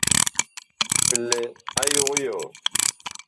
Bi lɛ a yog yɔɔ.